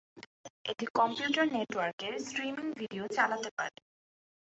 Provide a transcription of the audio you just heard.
এটি কম্পিউটার নেটওয়ার্কের streaming video চালাতে পারে।